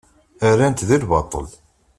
Rdan-t di lbaṭel.